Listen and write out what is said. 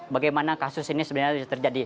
bagaimana kasus ini sebenarnya bisa terjadi